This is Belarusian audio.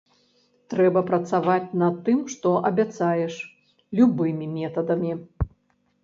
Трэба працаваць над тым, што абяцаеш, любымі метадамі.